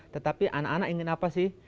tetapi anak anak ingin apa sih